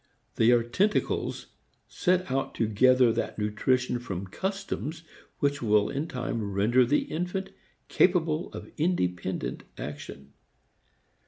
They are tentacles sent out to gather that nutrition from customs which will in time render the infant capable of independent action.